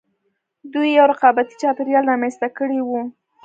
دوی یو رقابتي چاپېریال رامنځته کړی و